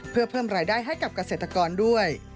เพื่อเพิ่มรายได้ให้กับเกษตรกรด้วย